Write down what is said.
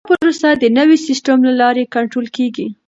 دا پروسه د نوي سیسټم له لارې کنټرول کیږي.